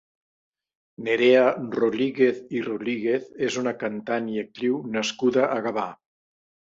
Nerea Rodríguez i Rodríguez és una cantant i actriu nascuda a Gavà.